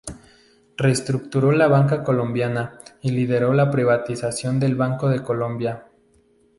Reestructuró la banca Colombiana y lideró la privatización del Banco de Colombia.